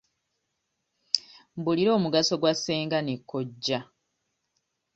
Mbuulira omugaso gwa ssenga ne kojja?